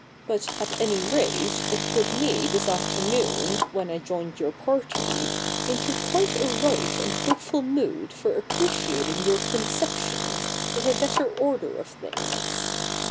But at any rate it put me this afternoon, when I joined your party, into quite a right and hopeful mood for appreciating your conceptions of a better order of things.